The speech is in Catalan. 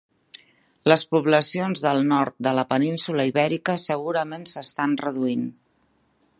Les poblacions del nord de la península Ibèrica segurament s'estan reduint.